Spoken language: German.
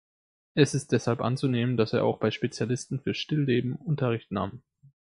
Es ist deshalb anzunehmen, dass er auch bei Spezialisten für Stillleben Unterricht nahm.